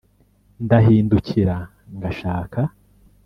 Ndahindukira ngashaka